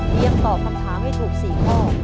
ตอบคำถามให้ถูก๔ข้อ